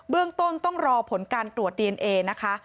เรื่องต้นต้องรอผลการตรวจดีเอนเอนะคะ